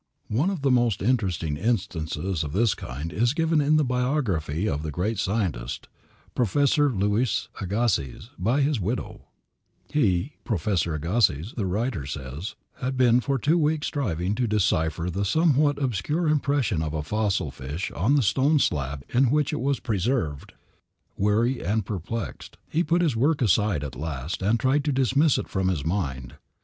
One of the most interesting instances of this kind is given in the biography of the great scientist, Professor Louis Agassiz, by his widow: "He [Professor Agassiz]," the writer says, "had been for two weeks striving to decipher the somewhat obscure impression of a fossil fish on the stone slab in which it was preserved. Weary and perplexed, he put his work aside at last, and tried to dismiss it from his mind.